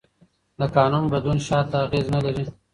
د قانون بدلون شاته اغېز نه لري.